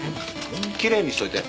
きれいにしておいて。